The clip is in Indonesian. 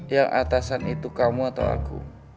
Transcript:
yang atasan itu kamu atau aku